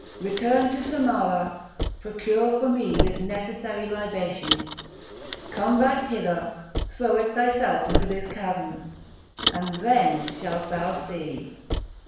Return to Samarah, procure for me this necessary libation, come back hither, throw it thyself into this chasm, and then shalt thou see!"